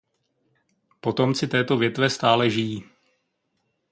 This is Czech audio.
Potomci této větve stále žijí.